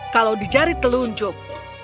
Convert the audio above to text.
kalau di jari telunjuk